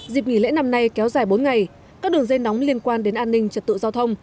dịp nghỉ lễ năm nay kéo dài bốn ngày các đường dây nóng liên quan đến an ninh trật tự giao thông